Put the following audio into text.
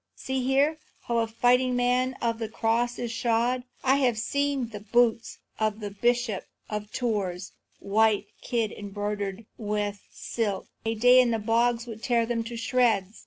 "See here, how a fighting man of the cross is shod! I have seen the boots of the Bishop of Tours, white kid, broidered with silk; a day in the bogs would tear them to shreds.